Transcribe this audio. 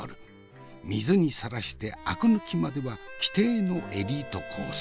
水にさらしてアク抜きまでは既定のエリートコース。